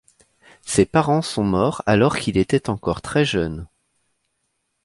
Ses parents sont morts alors qu’il était encore très jeune.